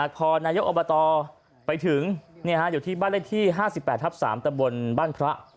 พอนายกอบตไปถึงอยู่ที่บ้านเลขที่๕๘ทับ๓ตะบนบ้านพระ